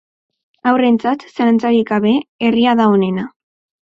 Haurrentzat, zalantzarik gabe, herria da onena.